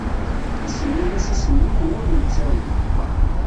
Isenna-yas asenni n wur nettawi.